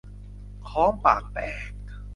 ฆ้องปากแตก